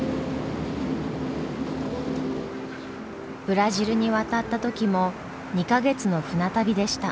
ブラジルに渡った時も２か月の船旅でした。